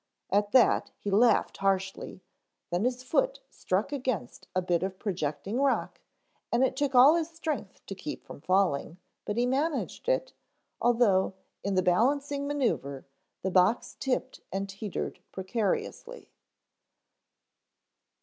At that he laughed harshly, then his foot struck against a bit of projecting rock and it took all his strength to keep from falling, but he managed it, although in the balancing maneuver, the box tipped and teetered precariously.